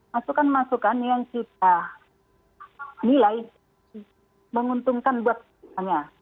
masukan masukan yang kita nilai menguntungkan buat semuanya